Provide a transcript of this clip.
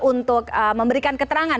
untuk memberikan keterangan